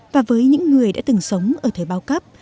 và với những người đã từng sống ở thời bao cấp